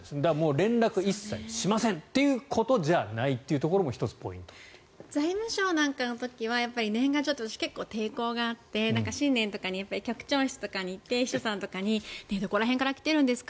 連絡、一切しませんっていうことじゃないっていうところも財務省の時なんかは年賀状って私、結構抵抗があって、新年に局長室とかに行って秘書さんとかにどこら辺から来てるんですか？